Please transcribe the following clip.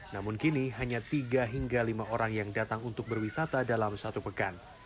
namun kini hanya tiga hingga lima orang yang datang untuk berwisata dalam satu pekan